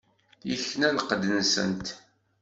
Ikna lqedd-nsent.